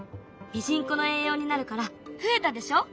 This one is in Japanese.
ミジンコの栄養になるから増えたでしょ。